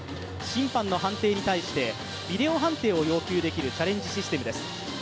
審判の判定に対してビデオ判定を要求できるチャレンジシステムです。